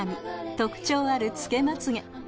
特徴あるつけまつげ